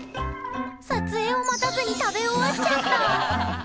撮影を待たずに食べ終わっちゃった。